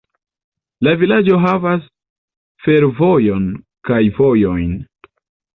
La vilaĝo havas fervojon kaj vojojn.